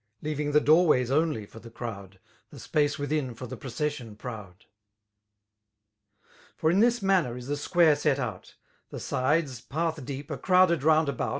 Leaving the door ways only for the crowd* The space within for the procession proud* For in this manner is the square set out:^ The sides^ path deep» are crowded round about.